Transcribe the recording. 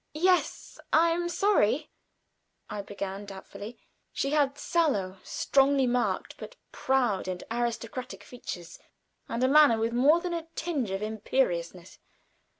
"Yes; I am sorry," I began, doubtfully. She had sallow, strongly marked, but proud and aristocratic features, and a manner with more than a tinge of imperiousness.